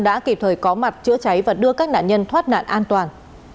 đã kịp thời có mặt chữa cháy và đưa các nạn nhân thoát nạn an toàn